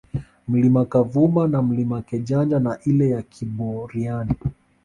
Mlima Kavuma na Mlima Kejanja na ile ya Kiboriani